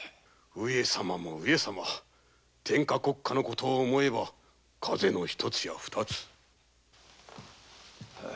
上様も上様天下国家の事を思えば風邪の１つや２つ。